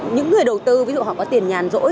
những người đầu tư ví dụ họ có tiền nhàn rỗi